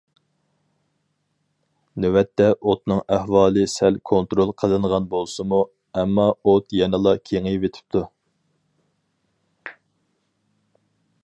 نۆۋەتتە ئوتنىڭ ئەھۋالى سەل كونترول قىلىنغان بولسىمۇ، ئەمما ئوت يەنىلا كېڭىيىۋېتىپتۇ.